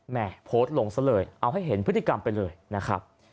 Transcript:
โพสต์ลงซะเลยเอาให้เห็นพฤติกรรมไปเลยนะครับ